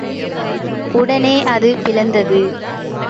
உடனே அது பிளந்தது.